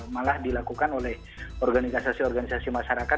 malah dilakukan oleh organisasi organisasi masyarakat